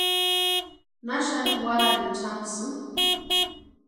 ¿Na xani warhariecha jamasïni?